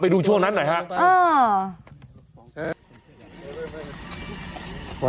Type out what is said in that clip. ไปดูช่วงนั้นหน่อยค่ะ